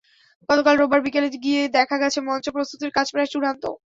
গতকাল রোববার বিকেলে গিয়ে দেখা গেছে, মঞ্চ প্রস্তুতের কাজ প্রায় চূড়ান্ত।